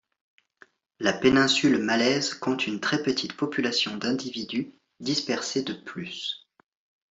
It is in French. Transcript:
La péninsule malaise compte une très petite population d'individus, dispersés de plus.